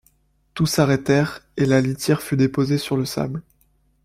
Tous s’arrêtèrent, et la litière fut déposée sur le sable.